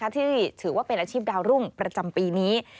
ที่ถือว่าเป็นอาชีพดาวรุ่งประจำปีนี้